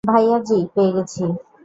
ভাইয়াজি, পেয়ে গেছি।